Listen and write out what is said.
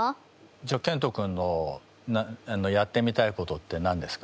じゃあけんと君のやってみたいことって何ですか？